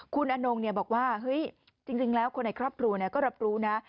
คุณอนงบอกว่าเฮ้ยจริงแล้วคนในครอบครัวก็รับรู้นะ